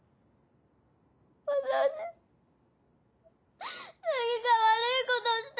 私何か悪いことした？